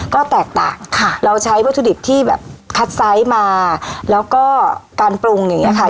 ก็แตกต่างค่ะเราใช้วัตถุดิบที่แบบคัดไซส์มาแล้วก็การปรุงอย่างนี้ค่ะ